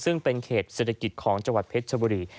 ซึ่งเป็นเขตเศรษฐกิจของจังหวัดเพชรชบุรี